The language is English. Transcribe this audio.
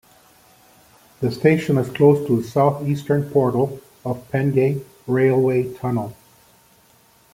The station is close to the South-Eastern portal of Penge Railway Tunnel.